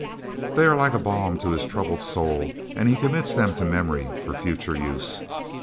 They are like balm to his troubled soul, and he commits them to memory for future use.